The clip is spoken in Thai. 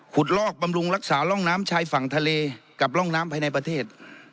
ลอกบำรุงรักษาร่องน้ำชายฝั่งทะเลกับร่องน้ำภายในประเทศ